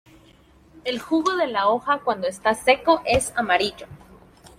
El jugo de la hoja cuando está seco es amarillo.